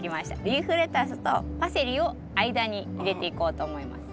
リーフレタスとパセリを間に入れていこうと思います。